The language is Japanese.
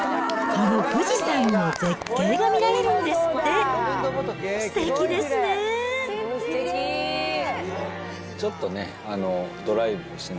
この富士山の絶景が見られるんですって。